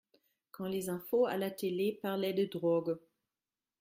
quand les infos à la télé parlaient de drogue.